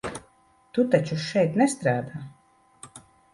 Tu taču šeit nestrādā?